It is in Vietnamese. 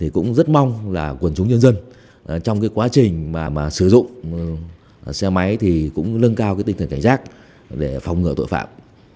cũng rất mong quân chúng nhân dân trong quá trình sử dụng xe máy cũng nâng cao tinh thần cảnh giác để phòng ngừa tội phạm